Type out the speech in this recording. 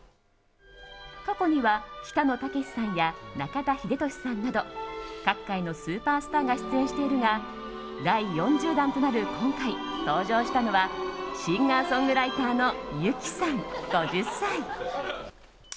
過去には北野武さんや中田英寿さんなど各界のスーパースターが出演しているが第４０弾となる今回登場したのはシンガーソングライターのＹＵＫＩさん、５０歳。